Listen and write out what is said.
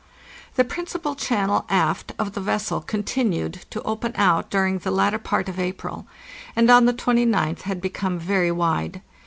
The principal channel aft of the vessel continued to open out during the latter part of April, and on the 29th had become very wide.